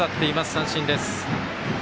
三振です。